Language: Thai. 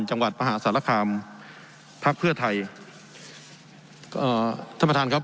จังหวัดมหาสารคามพักเพื่อไทยเอ่อท่านประธานครับ